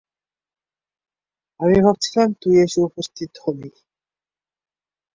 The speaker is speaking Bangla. আমি ভাবছিলাম তুই এসে উপস্থিত হবি।